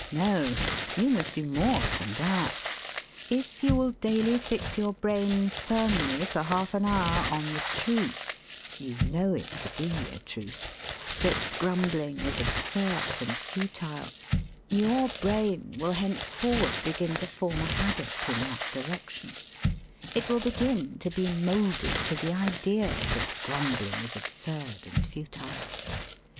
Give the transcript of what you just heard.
No! You must do more than that. If you will daily fix your brain firmly for half an hour on the truth (you know it to be a truth) that grumbling is absurd and futile, your brain will henceforward begin to form a habit in that direction; it will begin to be moulded to the idea that grumbling is absurd and futile.